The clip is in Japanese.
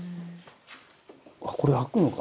あっこれ開くのか。